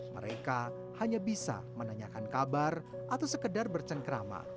mereka hanya bisa menanyakan kabar atau sekedar bercengkrama